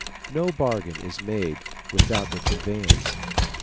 No bargain is made without their connivance.